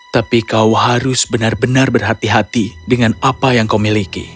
tapi kau harus benar benar berhati hati dengan apa yang kau miliki